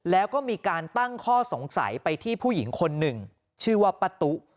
แล้วก็มีการตั้งข้อสงสัยไปที่ผู้หญิงคนหนึ่งชื่อว่าป้าตุ๊